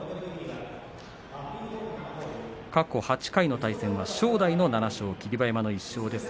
過去８回の対戦は正代の７勝霧馬山の１勝です。